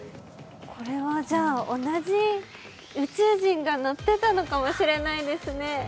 これは、じゃあ同じ宇宙人が乗ってたのかもしれないですね。